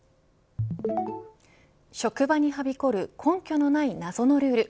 職場にはびこる根拠のない謎のルール。